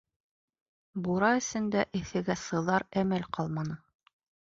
Бура эсендә эҫегә сыҙар әмәл ҡалманы.